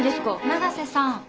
永瀬さん。